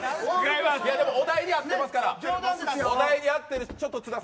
でもお題に合ってますから。